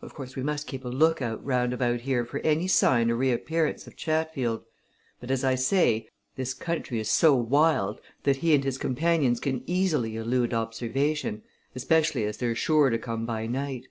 Of course, we must keep a look out round about here for any sign or reappearance of Chatfield, but, as I say, this country is so wild that he and his companions can easily elude observation, especially as they're sure to come by night.